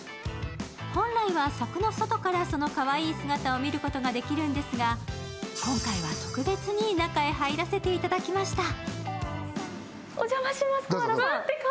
本来は柵の外からそのかわいい姿を見ることができるんですが、今回は特別に中へ入らせていただきました。